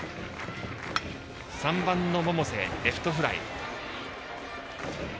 ３番の百瀬、レフトフライ。